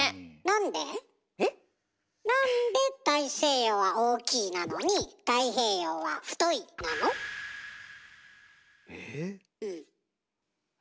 なんで大西洋は「大」なのに太平洋は「太」なの？え？え？